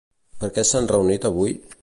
Per què s'han reunit avui?